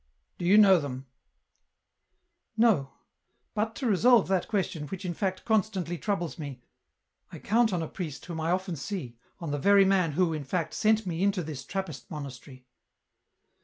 Do you know them ?" EN ROUTE. 285 " No ; but to resolve that question, which in fact constantly troubles me, I count on a priest whom I often see, on the very man who, in fact, sent me into this Trappist monastery.